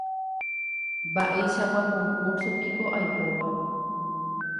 Mba'eichagua concurso-piko aipóva.